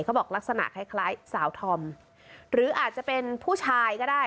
ลักษณะคล้ายสาวธอมหรืออาจจะเป็นผู้ชายก็ได้